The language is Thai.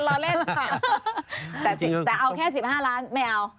แต่เอาแค่สิบห้าล้านไม่เอา